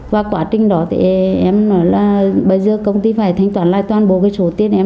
và quá trình đó thì em nói là bây giờ công ty phải thanh toán lại toàn bộ cái số tiền em